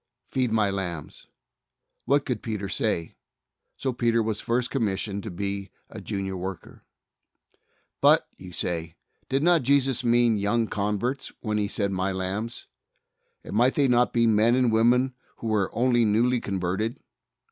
"Feed My lambs," what could Peter say? So Peter was first commissioned to be a Junior worker. "But," you say, "did not Jesus mean young converts, when He said, *My lambs'? and might they not be men and women who were only newly converted?"